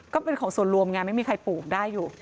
ก็เป็นของส่วนรวมไงไม่มีใครปลูกได้อยู่